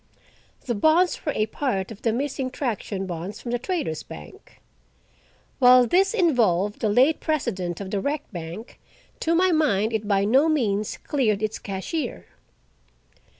The bonds were a part of the missing traction bonds from the Traders' Bank! While this involved the late president of the wrecked bank, to my mind it by no means cleared its cashier.